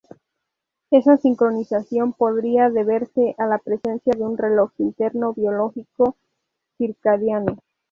Esa sincronización podría deberse a la presencia de un reloj interno biológico circadiano.